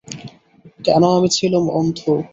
কেন আমি ছিলুম অন্ধ।